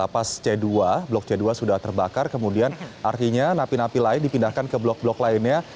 lapas c dua blok c dua sudah terbakar kemudian artinya napi napi lain dipindahkan ke blok blok lainnya